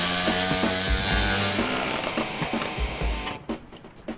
maaf mas silahkan melanjutkan perjalanan